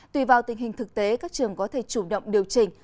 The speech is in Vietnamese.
tùy vào tình hình thực tế các trường có thể chủ động điều chỉnh